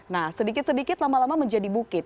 nah sedikit sedikit lama lama menjadi bukit